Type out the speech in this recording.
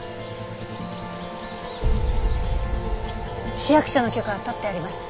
市役所の許可は取ってあります。